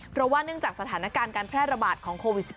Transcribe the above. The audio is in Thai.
เพราะว่าเนื่องจากสถานการณ์การแพร่ระบาดของโควิด๑๙